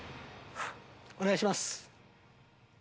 お願いします。